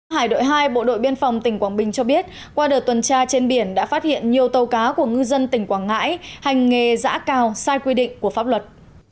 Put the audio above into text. hải đội hai bộ đội biên phòng tỉnh quảng bình cho biết qua đợt tuần tra trên biển đã phát hiện nhiều tàu cá của ngư dân tỉnh quảng ngãi hành nghề giã cào sai quy định của pháp luật